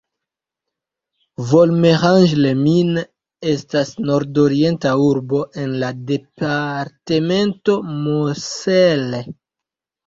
Volmerange-les-Mines estas nordorienta urbo en la departemento Moselle.